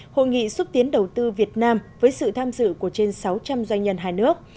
hội nghị xúc tiến đầu tư việt nam với sự tham dự của trên sáu trăm linh doanh nhân hai nước